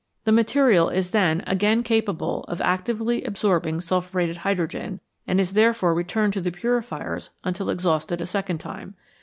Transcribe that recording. The material is then again capable of actively absorbing sulphuretted hydrogen, and is therefore returned to the purifiers until exhausted a second time.